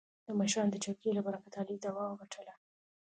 د مشرانو د چوکې له برکته علي دعوه وګټله.